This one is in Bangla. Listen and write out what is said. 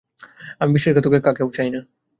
আমি বিশ্বাসঘাতক কাকেও চাই না।